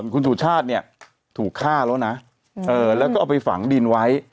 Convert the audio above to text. คุณสุชาติเนี่ยถูกฆ่าแล้วนะแล้วก็เอาไปฝังดินไว้